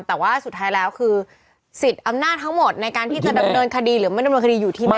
แต่ว่าสุดท้ายแล้วคือสิทธิ์อำนาจทั้งหมดในการที่จะดำเนินคดีหรือไม่ดำเนินคดีอยู่ที่ไหน